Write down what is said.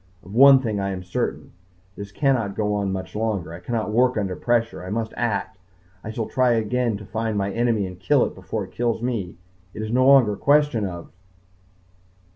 Of one thing I am certain this cannot go on much longer. I cannot work under pressure. I must act. I shall try again to find my enemy and kill it before it kills me. It is no longer a question of